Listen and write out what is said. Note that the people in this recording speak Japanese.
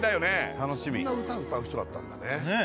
楽しみそんな歌歌う人だったんだねねえ